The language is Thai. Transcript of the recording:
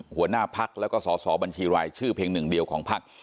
หัวหน้าพักแล้วก็สอสอบัญชีรายชื่อเพียงหนึ่งเดียวของพัก